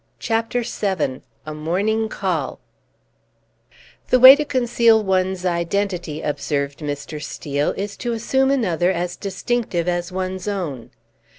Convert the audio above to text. CHAPTER VII A MORNING CALL "The way to conceal one's identity," observed Mr. Steel, "is to assume another as distinctive as one's own."